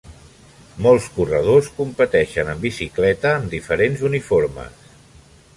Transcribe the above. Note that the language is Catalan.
Molts corredors competeixen amb bicicleta amb diferents uniformes.